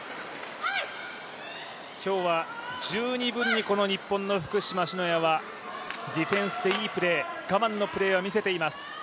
今日は十二分に日本の福島・篠谷はディフェンスでいいプレー、我慢のプレーを見せています。